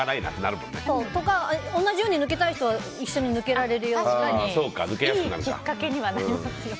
同じように抜けたい人はいいきっかけにはなりますよね。